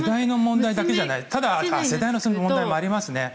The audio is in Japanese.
世代の問題もありますね。